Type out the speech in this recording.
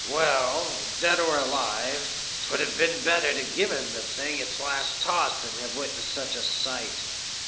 Well, dead or alive, 'twould have been better to have given the thing its last toss than have witnessed such a sight.